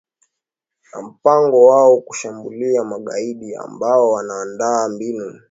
na mpango wao kuwashambulia magaidi ambao wanaandaa mbinu